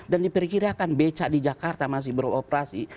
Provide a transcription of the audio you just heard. dan diperkirakan becak di jakarta masih beroperasi